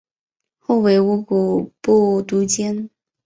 后为乌古部都监。